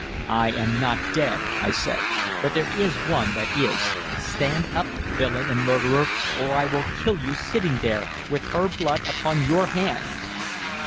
"I am not dead," I said, "but there is one that is. Stand up, villain and murderer, or I will kill you sitting there, with her blood upon your hands!"